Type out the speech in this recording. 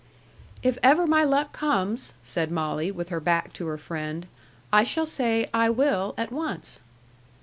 "If ever my luck comes," said Molly, with her back to her friend, "I shall say 'I will' at once."